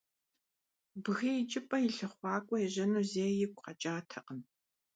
Бгы икӀыпӀэ и лъыхъуакӀуэ ежьэну зэи игу къэкӀатэкъым.